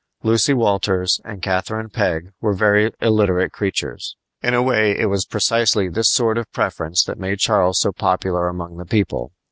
Lucy Walters and Catherine Peg were very illiterate creatures. In a way it was precisely this sort of preference that made Charles so popular among the people.